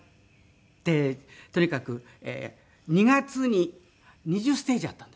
とにかく２月に２０ステージあったんです。